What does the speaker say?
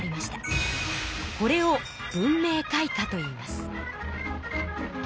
これを文明開化といいます。